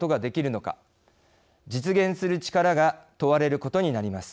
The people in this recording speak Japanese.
実現する力が問われることになります。